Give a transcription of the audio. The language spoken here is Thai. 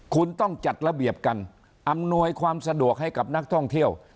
คุณต้องจัดระเบียบกันอำนวยความสะดวกให้กับนักท่องเที่ยว